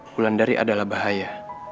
wulandari adalah bahaya